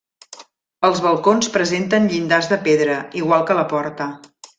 Els balcons presenten llindars de pedra, igual que la porta.